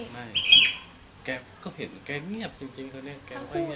ไม่แกก็เห็นแกเงียบจริงตอนนี้แกไม่เงียบ